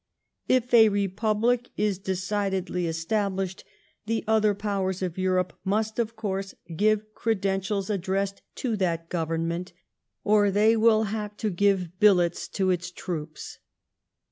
If a republic is decidedly established, the other Powers of Europe must, of course, give credentials addressed to that Government, or they will have to give billets to YEAB8 OF REVOLUTION. 121 its troops."